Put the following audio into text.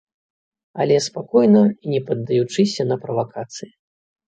Але спакойна і не паддаючыся на правакацыі.